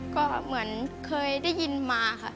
ก็เหมือนเคยได้ยินมาค่ะ